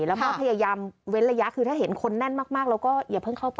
แล้วก็พยายามเว้นระยะคือถ้าเห็นคนแน่นมากเราก็อย่าเพิ่งเข้าไป